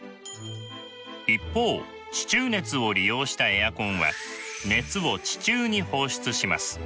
一方地中熱を利用したエアコンは熱を地中に放出します。